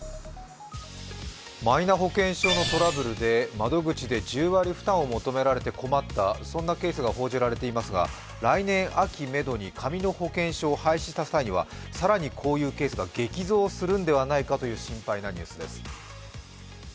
マイナ保険証のトラブルで窓口で１０割負担を求められて困った、そんなケースが報じられていますが来年秋めどに紙の保険証を廃止した際には更にこういうケースが激増するのではないかという心配のニュースです。